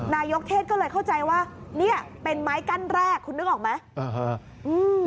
นายกเทศก็เลยเข้าใจว่าเนี่ยเป็นไม้กั้นแรกคุณนึกออกไหม